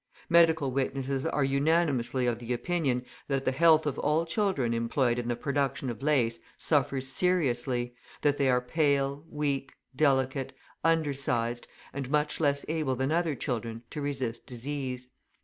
Medical witnesses are unanimously of the opinion that the health of all children employed in the production of lace suffers seriously, that they are pale, weak, delicate, undersized, and much less able than other children to resist disease.